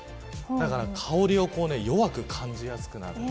だから香りを弱く感じやすくなる。